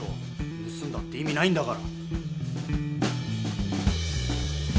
ぬすんだって意味ないんだから。